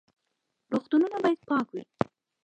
روغتونونه باید پاک وي